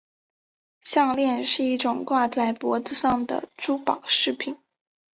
项链是一种挂在脖子上的珠宝饰品。